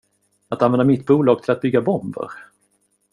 Att använda mitt bolag till att bygga bomber?